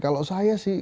kalau saya sih